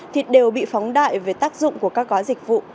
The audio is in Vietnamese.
thì đều bị phóng đại về tác dụng của các gói dịch vụ